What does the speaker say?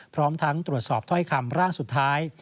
พร้อมทั้งตรวจสอบถ้อยคำร่างสุดท้าย